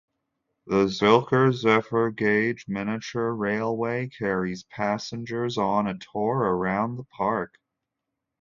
The Zilker Zephyr gauge miniature railway carries passengers on a tour around the park.